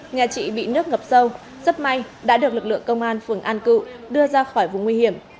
nhà chị bị nước ngập sâu rất may đã được lực lượng công an phường an cựu đưa ra khỏi vùng nguy hiểm